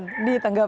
generasi padang jawa